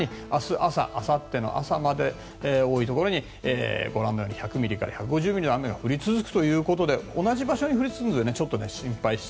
あさっての朝まで多いところで１００ミリから１５０ミリの雨が降り続くということで同じ場所に降り続くのでちょっと心配です。